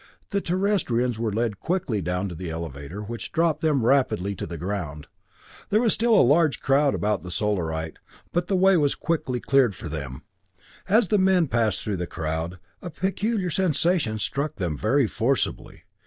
The Terrestrians were led quickly down to the elevator, which dropped them rapidly to the ground. There was still a large crowd about the Solarite, but the way was quickly cleared for them. As the men passed through the crowd, a peculiar sensation struck them very forcibly.